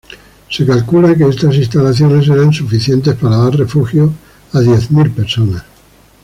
Se calcula que estas instalaciones eran suficientes para dar refugio a diez mil personas.